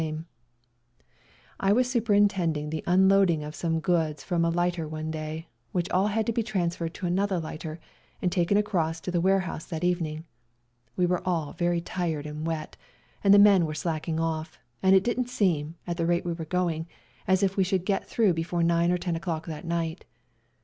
218 WE GO TO CORFU I was superintending the unloading of some goods from a lighter one day, which all had to be transferred to another lighter, and taken across to the warehouse that evening. We were all very tired and wet, and the men were slacking off, and it didn't seem, at the rate we were going on, as if we should get through before 9 or 10 o'clock that night.